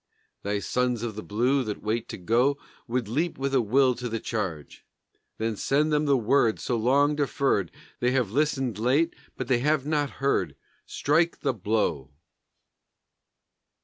Thy sons of the blue That wait to go Would leap with a will to the charge, Then send them the word so long deferred; They have listened late, but they have not heard; Strike the blow!